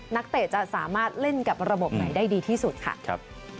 นักเตะจะสามารถเล่นกับระบบไหนได้ดีที่สุดค่ะ